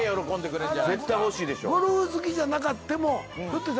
ゴルフ好きじゃなかっても。